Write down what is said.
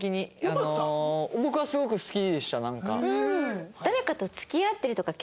僕はすごく好きでしたなんか。